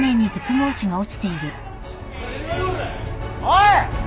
おい！